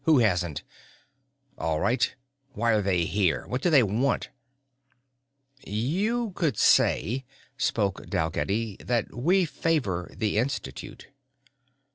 "Who hasn't? All right, why are they here, what do they want?" "You could say," spoke Dalgetty, "that we favor the Institute."